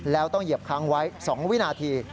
แล้วต้องเหยียบค้างไว้๒วินาที